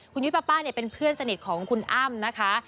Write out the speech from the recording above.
คุณยุ้ยป๊าป้าเป็นเพื่อนสนิทของคุณอ้ำนะคะ